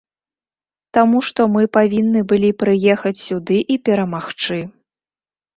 Таму што мы павінны былі прыехаць сюды і перамагчы.